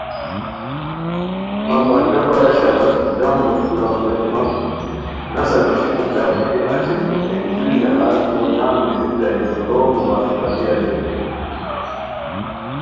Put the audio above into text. مہ پنجہ پرائے شاباش تو جم موش بیراؤ رے مہ نسہ نیشیکو چق بیتی اچی روپھیتائے دُوری لہاز ژور جم بیرو بیرائے رے دوڑ مبارک بادی اریر